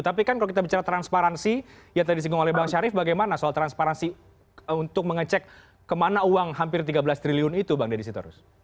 tapi kan kalau kita bicara transparansi yang tadi disinggung oleh bang syarif bagaimana soal transparansi untuk mengecek kemana uang hampir tiga belas triliun itu bang deddy sitorus